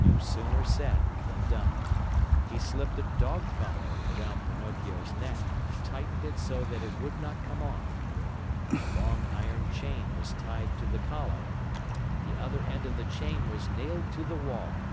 No sooner said than done. He slipped a dog collar around Pinocchio's neck and tightened it so that it would not come off. A long iron chain was tied to the collar. The other end of the chain was nailed to the wall.